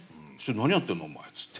「何やってんの？お前」っつって。